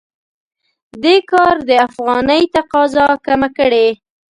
دې کار د افغانۍ تقاضا کمه کړې.